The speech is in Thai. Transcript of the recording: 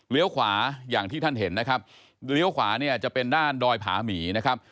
ขวาอย่างที่ท่านเห็นนะครับเลี้ยวขวาเนี่ยจะเป็นด้านดอยผาหมีนะครับ